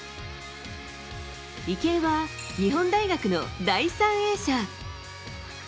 池江は日本大学の第３泳者。